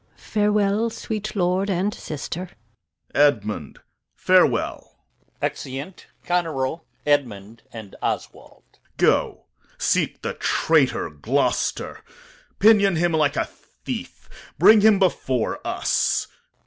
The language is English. Gon. Farewell, sweet lord, and sister. Corn. Edmund, farewell. Exeunt Goneril, [Edmund, and Oswald]. Go seek the traitor Gloucester, Pinion him like a thief, bring him before us.